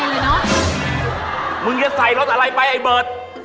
มึงจะใส่รถอะไรไปไอ้เบิร์ต